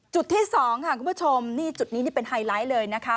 จุดที่๒ค่ะคุณผู้ชมนี่จุดนี้นี่เป็นไฮไลท์เลยนะคะ